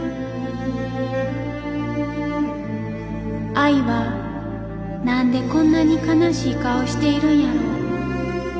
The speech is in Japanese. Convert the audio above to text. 愛は何でこんなに悲しい顔しているんやろ。